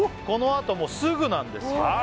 このあとすぐなんですよ